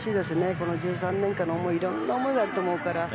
この１３年間のいろんな思いがあると思うから。